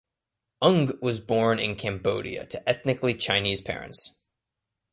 Ung was born in Cambodia to ethnically Chinese parents.